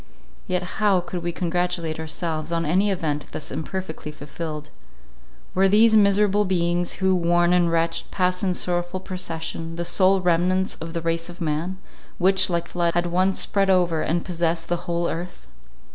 Yet how could we congratulate ourselves on any event thus imperfectly fulfilled? Were these miserable beings, who, worn and wretched, passed in sorrowful procession, the sole remnants of the race of man, which, like a flood, had once spread over and possessed the whole earth?